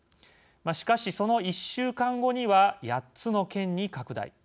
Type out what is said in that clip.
しかしその１週間後には８つの県に拡大。